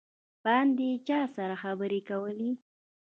باندې یې چا سره خبرې کولې.